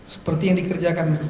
seperti yang dikerjakan